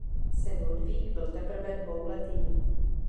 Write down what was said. Syn Ludvík byl teprve dvouletý.